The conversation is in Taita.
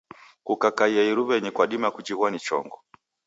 Kukakaia iruw'enyi kwadima kujighwa ni chongo.